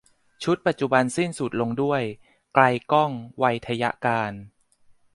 ชุดปัจจุบันสิ้นสุดลงด้วย ไกลก้อง ไวทยการ